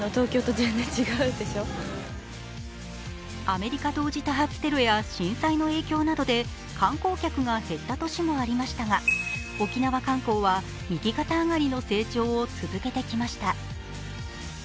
アメリカ同時多発テロや震災の影響などで観光客が減った年もありましたが沖縄観光は右肩上がりの成長を続けてきました。